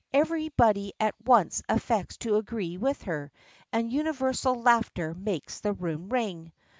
Everybody at once affects to agree with her, and universal laughter makes the room ring.